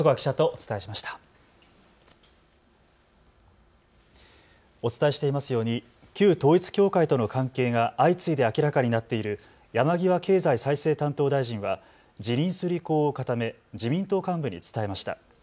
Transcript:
お伝えしていますように旧統一教会との関係が相次いで明らかになっている山際経済再生担当大臣は辞任する意向を固め自民党幹部に伝えました。